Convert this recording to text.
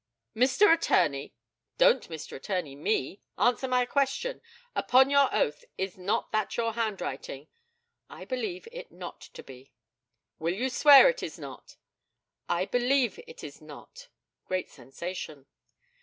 Mr. Attorney Don't "Mr. Attorney" me answer my question. Upon your oath, is not that your handwriting? I believe it not to be. Will you swear it is not? I believe it not to be. [Great sensation.